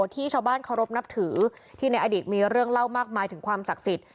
ที่ชาวบ้านเคารพนับถือที่ในอดีตมีเรื่องเล่ามากมายถึงความศักดิ์สิทธิ